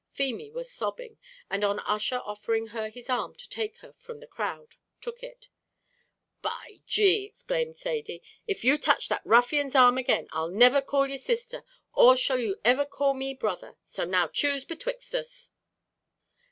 Feemy was sobbing, and on Ussher offering her his arm to take her from the crowd, took it. "By G d!" exclaimed Thady, "if you touch that ruffian's arm again, I'll niver call you sisther, or shall you iver call me brother; so now choose betwixt us."